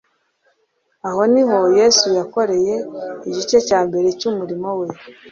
Aho ni ho Yesu yakoreye igice cya mbere cy'umurimo we.